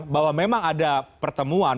bahwa memang ada pertemuan